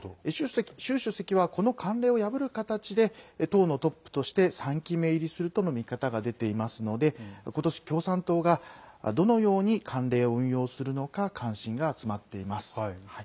習主席は、この慣例を破る形で党のトップとして３期目入りするとの見方が出ていますのでことし、共産党がどのように慣例を運用するのか関心が集まっています。